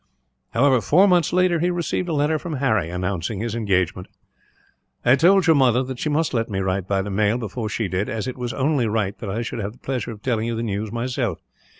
However, four months later he received a letter from Harry, announcing his engagement. "I told your mother that she must let me write by the mail, before she did; as it was only right that I should have the pleasure of telling you the news, myself.